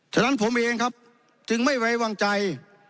ฉะนั้นผมเองครับจึงไม่ไว้วางใจ